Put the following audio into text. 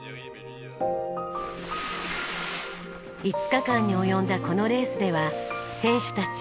５日間に及んだこのレースでは選手たち